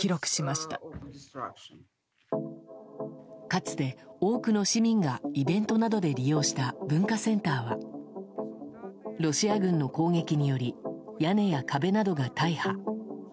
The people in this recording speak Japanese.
かつて、多くの市民がイベントなどで利用した文化センターはロシア軍の攻撃により屋根や壁などが大破。